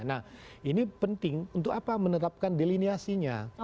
nah ini penting untuk apa menetapkan deliniasinya